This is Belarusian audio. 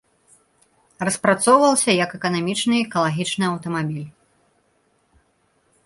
Распрацоўваўся як эканамічны і экалагічны аўтамабіль.